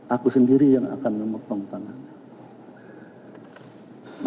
aku sendiri yang akan memotong tanahnya